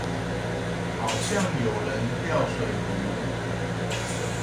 好像有人掉水壺